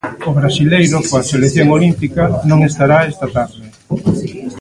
O brasileiro, coa selección olímpica, non estará esta tarde.